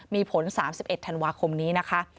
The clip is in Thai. มีผล๓๑ธันวาคมนี้นะคะ